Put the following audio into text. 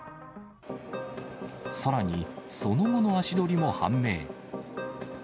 さらに、その後の足取りも判明。